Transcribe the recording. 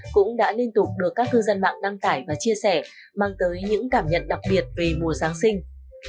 cũng đã liên tục được các cư dân mạng đăng tải và chia sẻ mang tới những cảm nhận đặc biệt về mùa giáng sinh